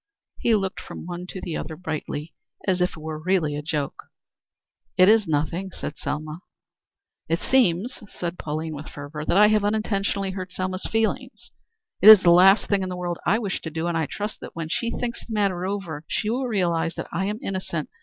He looked from one to the other brightly as if it were really a joke. "It is nothing," said Selma. "It seems," said Pauline with fervor, "that I have unintentionally hurt Selma's feelings. It is the last thing in the world I wish to do, and I trust that when she thinks the matter over she will realize that I am innocent.